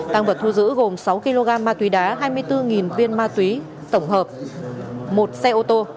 tăng vật thu giữ gồm sáu kg ma túy đá hai mươi bốn viên ma túy tổng hợp một xe ô tô